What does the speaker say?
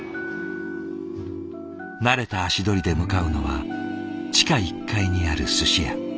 慣れた足取りで向かうのは地下１階にあるすし屋。